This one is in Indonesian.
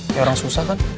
ya orang susah kan